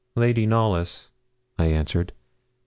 'Lady Knollys,' I answered.